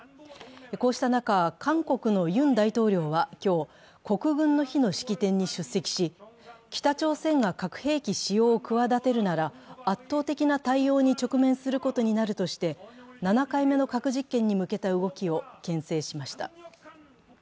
こうした中、韓国のユン大統領は今日、国軍の日の式典に出席し北朝鮮が核兵器使用を企てるなら圧倒的な対応に直面することになるとして７回目の核実験に向けた動きをけん制しました。